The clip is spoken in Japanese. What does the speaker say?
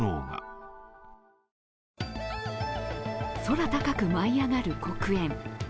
空高く舞い上がる黒煙。